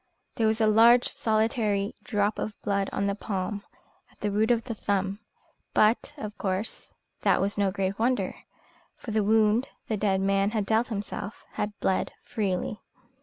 There was a large solitary drop of blood on the palm, at the root of the thumb; but, of course, that was no great wonder, for the wound the dead man had dealt himself had bled freely.